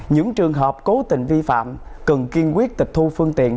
những trường hợp cố tình vi phạm cần kiên quyết tịch thu phương tiện